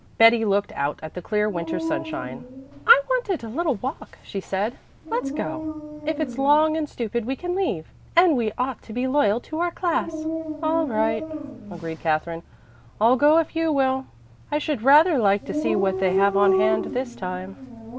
Betty looked out at the clear winter sunshine. "I wanted a little walk," she said. "Let's go. If it's long and stupid we can leave; and we ought to be loyal to our class." "All right," agreed Katherine. "I'll go if you will. I should rather like to see what they have on hand this time."